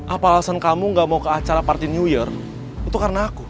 apalasan kamu gak mau ke acara party new year itu karena aku